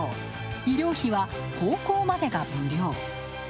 医療費は高校までが無料。